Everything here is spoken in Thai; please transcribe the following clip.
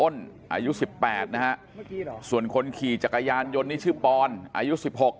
อายุ๑๘นะฮะส่วนคนขี่จักรยานยนต์นี่ชื่อปอนอายุ๑๖